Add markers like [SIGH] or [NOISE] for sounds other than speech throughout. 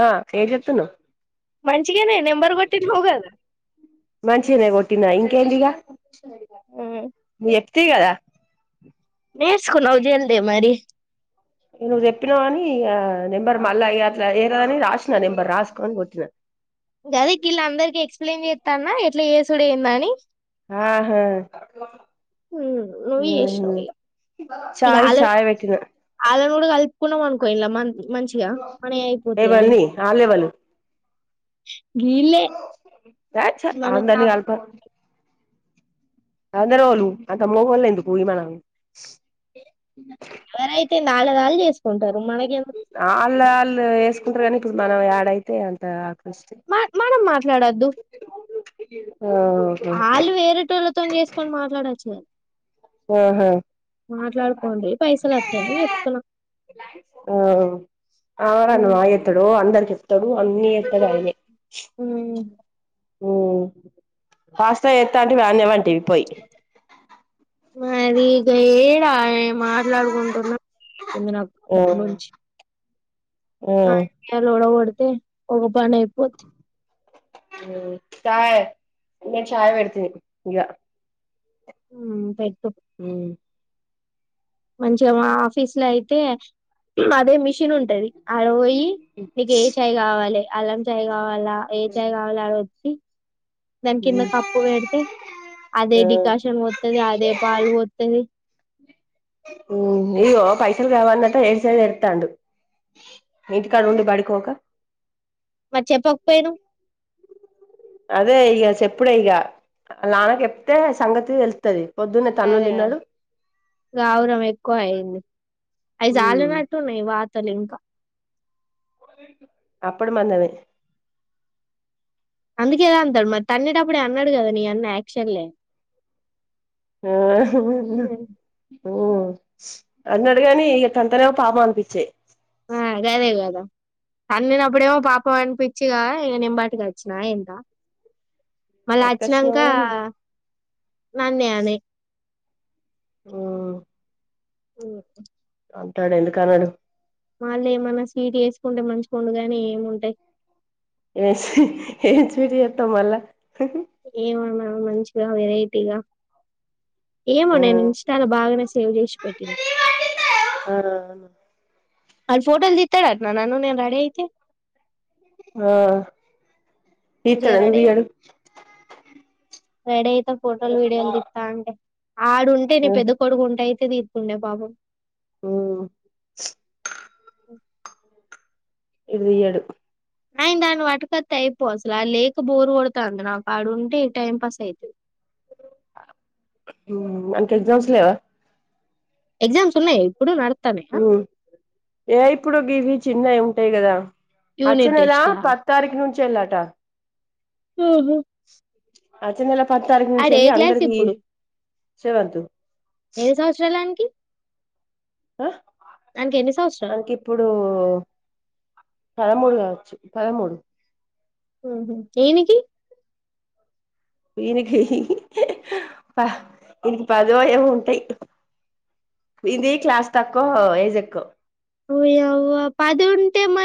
ఆ ఎమ్ చేతునవ్ మంచించిగేనే నెంబర్ కొట్టది హగద ఇన్నా ఇ కడిగా మీ తి కదా నర్స్కునావ్ జల్దే మరి నువ్వు చెప్పినావ అని నెంబర్ మళ్ళా అట్లా ఏరదని రాసిన నెంబర్ రాసుకోని కోటినా గదదికి ఇల్ల అందరిక ఎక్ప్లెయిన్ చేస్తానా ఇ ఏసుడ ఏంద అని ఆహా నువ్వు హు హు చేసినావు ఇగ చాయ్ చాయ వెటిన తోడు కలుపుకున్నాం అనుకో ఇ మ మంచిగా మనే అయిపోతా అంత ఎవల్ని ఆ చా మనకి అందరిని కలపక్ అందర వాళు అంతమ పోల్లే ఎందుకు పోయి మన ఎవర అయ్తే ఎంధి ఆళ్ళ అలధి చేస్త ఆ అలా వేసుకుంటారు కానీ ఇ మనం యాడయితే అంత ఆకృష్టి మ మనం మాట్లాడొద్దు ఆహా వాళ్ళు వేరేటోళ్ళతో చేసుకొని మట్లాడూచుగా ఆహుమ్ మాట్లాడుకోండి పైసలు వస్తాయని చెప్తున్నా ఆ ఆను మా ఎత్తుడు అందరికి తడు అని అయ్తడు అయినే ఉమ్ ఉ కాస్తా ఎత్తంట మానేవాంటివి మరి ఇక ఏడా మాట్లాడుకుంటున్నాంది నా ఉమ్ నుంచి ఆడ ఓడదు ఒక పన అయిపోతే చా నేను చాయ్ పెడ్తిని ఇగ ఉమ్ పే ఉమ్ మంచిగ మా ఆఫీస్లో అయితే అదే మిషన్ చిన్ ఉంటది ఆ రయి నీకు ఏ చాయ్ కావాలి అల్లం చాయ్ గా అళ్ళ ఏ జైయి్ కావాలి వా వద్ దాని కింద కప్పు పెడితే అదే ఆ డికాషన్ పోతది అదే పాలు పోతది నీయో పైసలు కావన్నంత ఏడు సై ఎతాండు నీటి కాడ ఉండి పడికోక మరి చెప్పకపోయాను అదే ఇక చెప్పుడే ఇక నా నాకెప్తే సంగతి వెళ్తుది అదే గౌరం ఎక్కువ అయింది అవి ఉమ్ చాలినట్టున్నాయి వాత తెలంక అప్పుడు మాందదే అందుకే గ అంటాడు మరి తన్నే తప్పుడే ఆనడు గా మీ అన్న అక్చుఅల్లీ ఆ ఉ అన్నాడుగాని ఇక తంతేనేమో పాపమనిపిచ్చే ఆ గదే కదా అమ్మి నప్పుడేమో పాపం అనిపించి ఇగ నేను బట్టుకోచ్చినా ఇంగ మళ్ళీ వచ్చినాక పట్టుకొచ్చినావు గాని నన్నయను ఆ ఓ అంటాడు ఎందుక అన్నాడు మళ్ళ ఏమన్నా స్వీట్ వేసుకుంటే మంచి గుండు గాని ఏముంటయ్ ఏ ఏచ్విడి వతే మల్ల ఏమన్నా మంచిగా వెరైటీగా ఏమో ఆ నేను ఇన్స్టాలో బాగానే సేవ్ చేసి పెట్టిను ఆలు ఫోటోలు తిత్తడంటన నన్ను నేను రెడీ అయితే ఆ ఈతడ మంచిగా రెడీ తీయడు రెడీ ఫోటోలు విడియోలు తీతాంటే ఆడు ఉంటే నీ పెద్ద కొడుకు ఉంటాయి తీ పుణ్య బబ అ ఇది ఏడు అయి దాన్ని వటుకత్ అయిపో అసలు లేక బోరు కొడత అంది నా పాడుంటే టైం పాస్ అవుతుంది అంటే ఎగ్జామ్స్ లేవ ఎగ్జామ్ ఇప్పుడ గీవి చిన్నవి ఉంటాయి కదా అచ్చన యూనిట్ ఎలా టెస్ట్‌లా? పత్ తారీఖ నేచిలాటా హుహు. అచ్చే నెల పద తారీ కు నుంచి ఆడు ఏ వెళ్ళి క్లాస్ అందరికీ చెవతు ఎని సమచ్రాలు వానికి ఆ సంవత్సరాలు? అనకి ఇప్పుడు పదమూడు కావచ్చు పదమూడు ఉహుమ్ ఏ నికి ఈయనకి ఈనకి పదో ఏమ ఉంటాయి ఇంది క్లాస్ తక్కువ ఏజ్ ఎక్కువ ఓ అయ్వా ఉంటే మ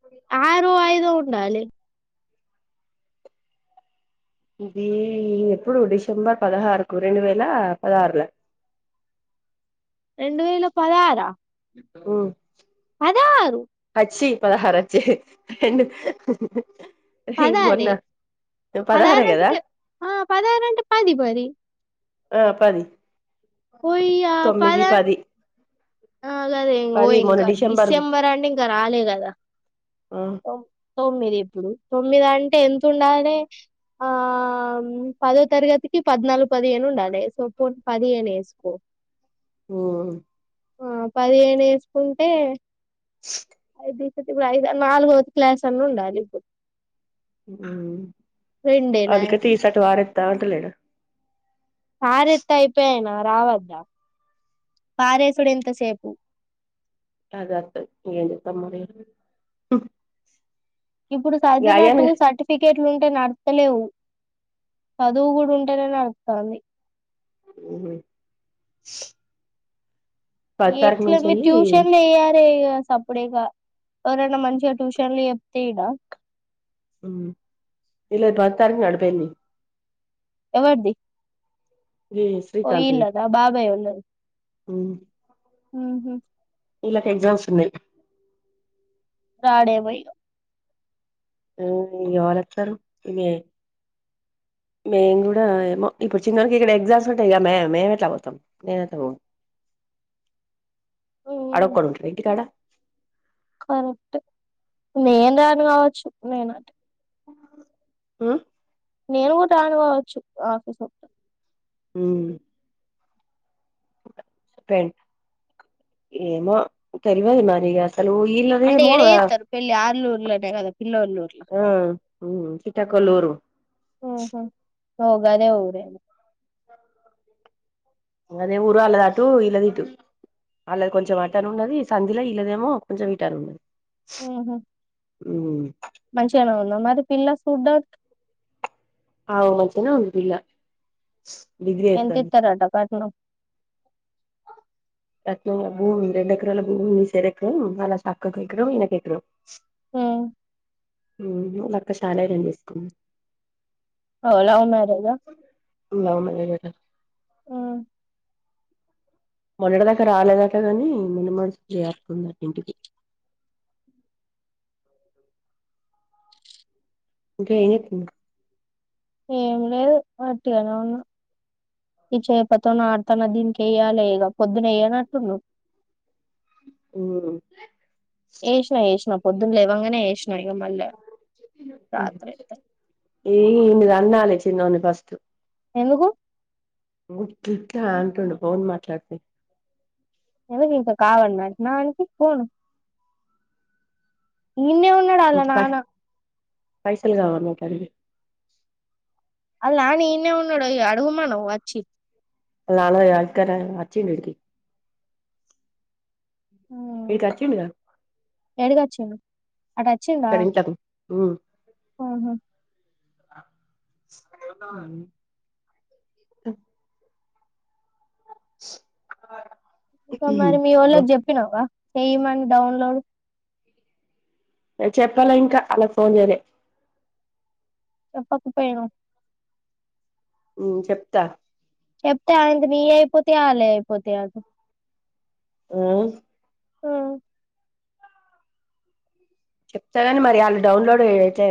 టీ ఆరు ఐదు ఉండాలే ఇది ఎప్పుడు డిసెంబర్ పదహారుకు రెండు వేల పదహారుల రెండు వేల పదహార ఉమ్ పదహారు చ్చి పదహారు అచ్చే పదహారే పదహారే కదా పాదారంటే ఆ పాదారంటే పది పది ఆ పది ఉయ్యా తొమ్మిది పదన్ పది ఆ కదా ఓ పది మొన్న ఇంకా డిసెంబర్ అంటే ఇంకా రాలే కదా ఉమ్ తొమ్మిది ఇప్పుడు తొమ్మిది అంటే ఎంత ఉండాలి ఆ పదో తరగతికి పద్నాలుగు పదిహేను ఉండాలి సో ప పదిహేను వేసుకో ఉమ్ ఆ పదిహేను వేసుకుంటే అ కూడా ఐద నాలుగవది క్లాస్ అన్న ఉండాలి ఇప్పుడు ఉమ్ రెండేనా అందుక తీసట్టు వార దాటలేడు పారెత్తే అయిపోయనా రావద్దా పారసుడు ఎంతసేపు [UNINTELLIGIBLE] ఏం చెతమ్ మరి ఇప్పుడు ఇగ అయ్యాను సద్వినట్టు సర్టిఫికేట్ ఇట్లు ఉంటే నడతలేవు చదువు కూడా ఉంటేనే నడుస్తుంది ఉహుమ్ ఎట్ల ట్యూషన్లు వయ్యారే సప్పుడేక ఎవరనా మంచిగా ట్యూషన్లు చెప్తే ఈడా ఇలా మతారుంగ అడపోేంది ఎవరిది శ్రీకాంత్ది పోయిల్లట ఆ బాబాయ ఉ లేదు ఊహు ఈల్ల కెగ్జామ్స్ ఉన్నాయ్ రాడేమొ ఇగ ఎవలొత్తారు మే మేము కూడా ఏమో ఇప్పుడు చిన్నవరకి ఇక్కడ ఎగ్జామ్స్ ఉంటాయి మే మేము ఎట్లా పోతాం మే ఎ పో అడ ఉమ్ కొఇంటి కాడా కరెక్ట్ నేను రాను గావచ్చు నేనంటే అ నేను గూడా రానుకోవచ్చు ఆఫీస్ ఒకక్క ఊ ఏమో తెలివదు మరి అలు ఇల్దే అంటే మ ఏడ చేత్తరు పెళ్లి ఆర్లూర్లోనే కదా పిల్లోల్లూర్ల ఆ చిట్టకలూరు పోగాదే ఊరే అదే ఊరు వాళ్ళ దటు ఇళ్లది ఇటు వాళ్ళ కొంచెం వాటని ఉన్నది సంధిలో ఇల్లదేమో కొంచెం వటని ఉండది ఊహు ఉ మంచిగానే ఉందాం మరి పిల్ల చూడ్డా అవు మంచిగనే ఉంది పిల్ల డిగ్రీ ఎంత చేత్తాంది ఇత్తారంట కట్నం కట్నం ల భూమి మి రెండ ఎక్కరాాల పూమి నున్ని సరకుర నాలా సాాక్కా క కేకరంయన్న క కేకరం ఉ అదక్క శాల అంపిసుకు ఓ లవ్ మేరేజ లవ్ మ్యారేజ్ అట ఉ మొన్నడ దాకా రాలేదట కాని మన్న మసు చేరుతుంది ఇంటికి ఇంకా ఎ ఏం లేదు అట్టిగానే ఉన్నా ఈ చేపతోన్న ఆడుతన్న దీనికి వెయ్యాలి ఇక పొద్దున వెయ్యానట్టుండవు మ్మ్ ఎషినా ఎషినా పొద్దున్న లేవంగానే వసినా ఇక మళ్ళ రాత్రి అ అన్నాలి చిన్నోని ఫస్ట్ ఎందుకు అంటుండు బవున్ మాట్లాడితే ఏవి కవడనా నానికి కోన ఈన్నే ఉన్నాడాల్ల పై నాన్న పైసలు కావన్నటది ఇన్నేవవు నోడు అడుగుుమా్చ్చ చి ఆళ్ళ నాన్న ఇక్కడ అచ్చిడిడికి ఏడిగ అటు వచ్చిందహ ఇక్కడ ఇంట్లకు అ అ ఇంకా మరి మీ వోళ్ళకి చెప్పినావా చెయ్య మను డౌన్లోడ్ చెప్పాలా ఇంకా అలాగ ఫోన్ చేయలే చెప్పకపోయిన్నావ్ ఉమ్ చెప్తా చెప్తే అంది మీ అయిపోత అళ అయిపోత అ ఆ ఆ చెప్తా కాని మరి వాళ్ళు డౌన్లోడ్ అయితే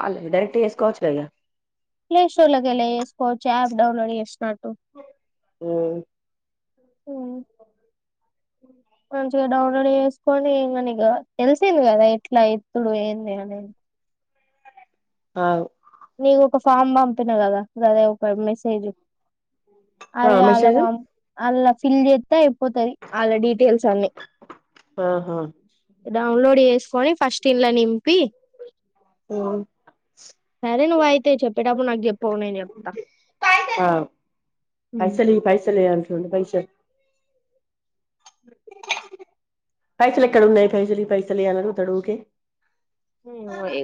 వాళ్ డైరెక్ట్ చేసుకోవచ్చు ఇగ ప్లే స్టోర్ లగేల స్కోవర్చ్ ఆప్ డౌన్లోడ్ చే అమ్ అమ్ మంచిగా డౌన్లోడ్ చేసుకొని మన తెలిసింది కదా ఎట్లా ఇత్తుడు ఏంది అని కాదు నీకు ఒక ఫామ్ పంపిన కదా అదే ఒక మెసేజ్ ఆ అదే అలా మెసేజ్ అలా ఫీల్ చెతే పోతాయి వాళ్ళ డీటెయిల్స్ అన్ని ఆహా డౌన్లోడ్ చేసుకొని ఫస్ట్ ఇన్ల నింపి ఆమ్ సరే నువ్వు అయితే చెప్పేటప్పుడు నా చెప్ప నేను చెప్పతా ఆ రెండు పైసాల్ పైసల ఎక్కడున్నాయి పైసలి ఇ పైసలే ఇ అని అడగతాడు ఉకే ఇ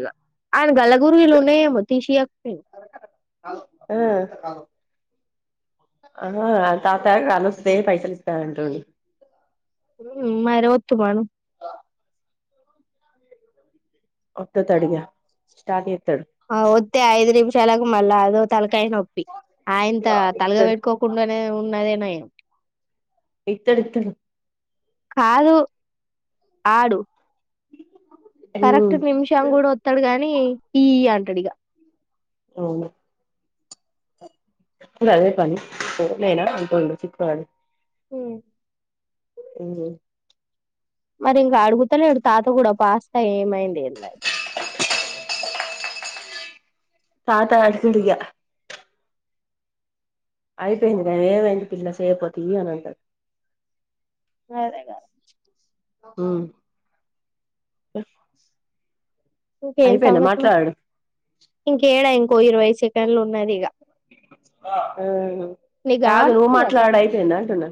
ఆన్ గల గుర్గిలు న మ తీసి ఆక్తను ఆ ఆ తాత ఆలోస్తంది పైసలు ఇస్తా అంటుడి మా ర ఒచ్చూ మను ఒట్ట త అడిగా స్ట ఆ వద్ే అయి్రిీ చెలగ మళ్ళా అదో తలకాయ నొప్పి ఆయంత ఇత్తడు తలగబెట్టుకోకుండానే ఉన్నదేనాయ ఇతడు ఇత్తడు కాదు ఆడు కరెక్ట్ ఉమ్ నిమిషం కూడా వస్తాడు గాని ఈ ఆంటడిగా అవును అదే పని పోనాయినా అంటుడు చక్కుకొని హమ్ అమ్ మరి ఇంకా అడుగుతలేడు తాత కూడా పాస్త ఏమైంది ఏ తాత అడుకుడిగా అయిపోయింది కానీ ఏమైంది పిల్ల సయపోత ఇ అని అంటారు అరే కా ఆ ఇంకేం సంగతి మరి ఇంకేడా ఇంకో ఇరవై సెకండ్లు ఉన్నది ఇక ఆ నీకు కాదు నువ్వు అనపడుతుంది కదా మాట్లాడు టైం అయిపోయిందా అంటున్నా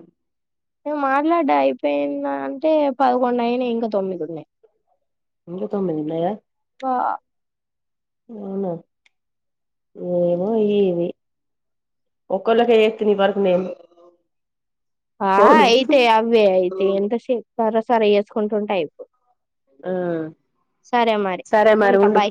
ను మాట్లాడ్డా అయిపోయింద అంటే పదకొండు అయినాయి ఇంకా తొమ్మిదిన్నాయి ఇక తమన్నా అవునా ఏమో ఇది ఒక్కళ్ళకే చేస్త నీ వరకు నేను ఆ ఫోను యితే అవ్వ అయితే ఎంత స సర సర చేసుకుంటుంటాయిప్పు ఆ మరి సరే మరి ఉంటా ఉడు బాయ్